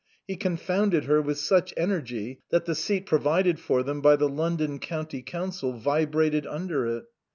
He confounded her with such energy that the seat provided for them by the London County Council vibrated under it.